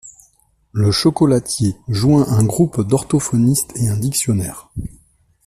Le chocolatier joint un groupe d'orthophonistes et un dictionnaire.